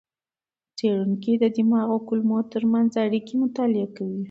څېړونکي د دماغ او کولمو ترمنځ اړیکې مطالعه کوي.